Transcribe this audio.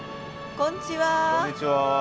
こんにちは。